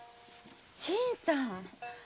新さん。